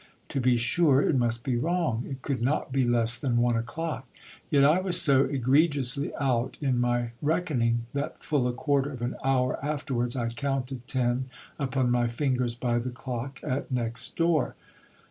To be sure it must be wrong ! It could not be less than one o'clock. Yet I was so egre giously out in my reckoning, that full a quarter of an hour afterwards, I counted ten upon my fingers by the clock at next door.